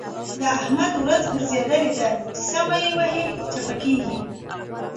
د احمد ورځ ګرځېدل ده؛ چې سمه يې وهي - چپه کېږي.